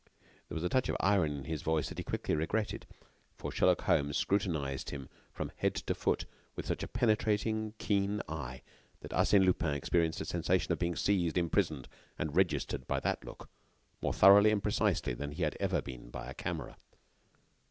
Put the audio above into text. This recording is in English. There was a touch of irony in his voice that he quickly regretted, for Sherlock Holmes scrutinized him from head to foot with such a keen, penetrating eye that Arsène Lupin experienced the sensation of being seized, imprisoned and registered by that look more thoroughly and precisely than he had ever been by a camera.